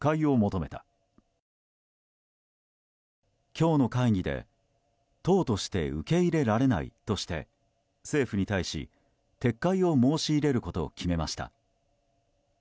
今日の会議で党として受け入れられないとして政府に対し、撤回を申し入れることを決めました。